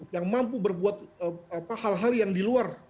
yang mampu berbuat hal hal yang di luar